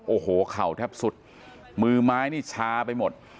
โอ้โหเข่าแทบสุดมือไม้นี่ชาไปหมด